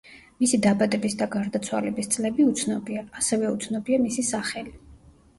მისი დაბადების და გარდაცვალების წლები უცნობია, ასევე უცნობია მისი სახელი.